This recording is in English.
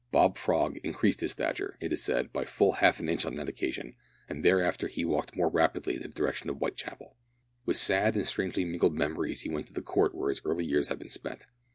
Bob Frog increased in stature, it is said, by full half an inch on that occasion, and thereafter he walked more rapidly in the direction of Whitechapel. With sad and strangely mingled memories he went to the court where his early years had been spent.